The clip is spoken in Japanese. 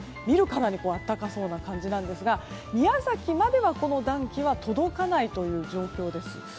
見るからに暖かそうな感じなんですが宮崎までは暖気は届かないという状況です。